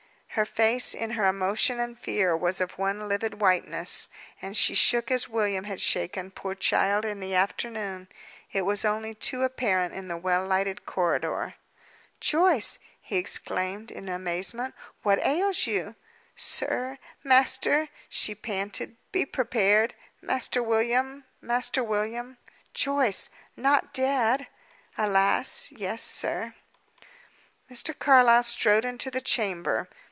Her face, in her emotion and fear, was of one livid whiteness, and she shook as William had shaken, poor child, in the afternoon. It was only too apparent in the well lighted corridor. "Joyce," he exclaimed, in amazement, "what ails you?" "Sir! master!" she panted; "be prepared. Master William Master William " "Joyce! Not dead!" "Alas, yes, sir!" Mr. Carlyle strode into the chamber.